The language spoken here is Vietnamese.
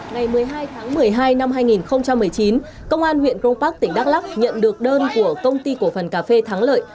ngày một mươi hai tháng một mươi hai năm hai nghìn một mươi chín công an huyện cron park tỉnh đắk lắc nhận được đơn của công ty cổ phần cà phê thắng lợi